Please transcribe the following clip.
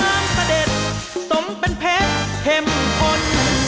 น้ำงานเสด็จสมเป็นเพชรเห็มอ่อน